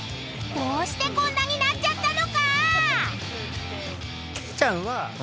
［どうしてこんなになっちゃったのか⁉］